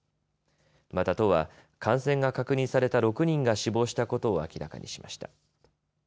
また都は感染が確認された６人が死亡したことを明らかにしました。